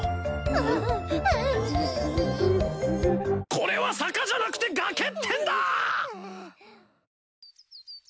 これは坂じゃなくて崖ってんだ！